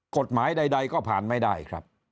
กฎหมายใดก็ผ่านไม่ได้ครับ